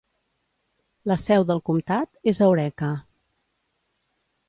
La seu del comtat és Eureka.